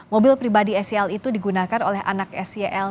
mobil pribadi sel itu digunakan oleh anak sel